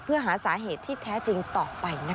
เพื่อหาสาเหตุที่แท้จริงต่อไปนะคะ